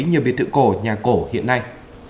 như biệt thự cổ nhà cổ hiện nay